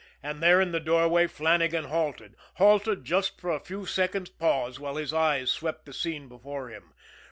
And there in the doorway Flannagan halted halted just for a second's pause while his eyes swept the scene before him.